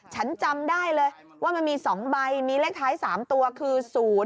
ฉันจำได้เลยว่ามันมี๒ใบมีเลขท้าย๓ตัวคือ๐๕